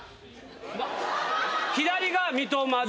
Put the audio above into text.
左が三笘で。